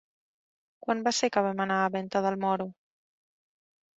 Quan va ser que vam anar a Venta del Moro?